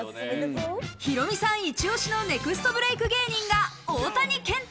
ヒロミさんいち押しのネクストブレイク芸人が大谷健太。